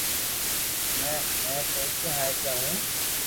ھمو ۾ سوچئو ھي ڪي ھون